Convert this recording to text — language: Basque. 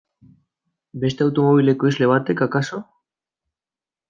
Beste automobil ekoizle batek akaso?